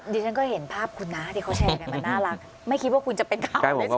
ดิฉันก็เห็นภาพคุณนะที่เขาแชร์กันมันน่ารักไม่คิดว่าคุณจะเป็นข่าวที่สุด